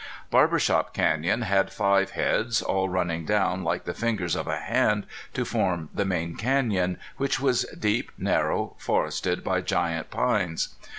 Barber Shop Canyon had five heads, all running down like the fingers of a hand, to form the main canyon, which was deep, narrow, forested by giant pines.